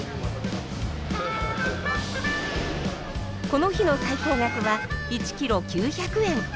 この日の最高額は１キロ９００円。